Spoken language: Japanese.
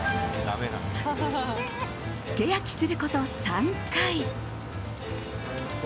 つけ焼きすること３回。